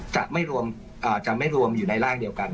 จะไม่รวมอยู่ในร่างเดียวกัน